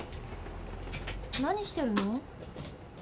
何してるの？